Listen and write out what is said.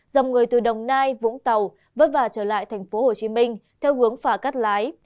dòng người từ đồng nai vũng tàu vất vả trở lại thành phố hồ chí minh theo hướng phà cắt lái